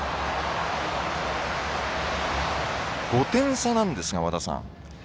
５点差なんですが和田さん